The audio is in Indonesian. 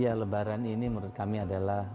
ya lebaran ini menurut kami adalah